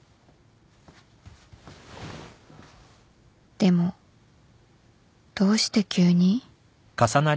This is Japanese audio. でもどうして急に？